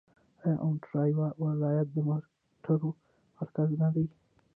آیا اونټاریو ولایت د موټرو مرکز نه دی؟